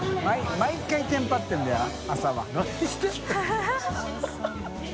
毎回テンパってるんだよ朝は。